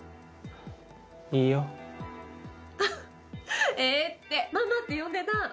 いいよええってママって呼んでなあ